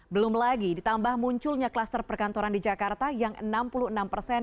belum lagi ditambah munculnya kluster perkantoran di jakarta yang enam puluh enam persen